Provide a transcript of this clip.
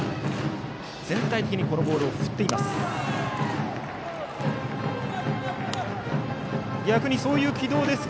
全体的にこのボールを振っています。